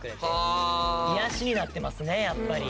癒やしになってますねやっぱり。